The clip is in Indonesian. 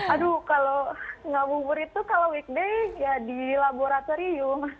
aduh kalau ngabuburit tuh kalau weekday ya di laboratorium